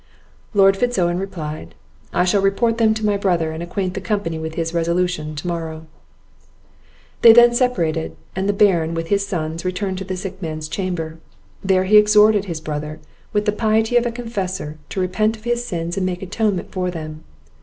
Lord Fitz Owen replied, "I shall report them to my brother, and acquaint the company with his resolution to morrow." They then separated; and the Baron, with his sons, returned to the sick man's chamber; there he exhorted his brother, with the piety of a confessor, to repent of his sins and make atonement for them.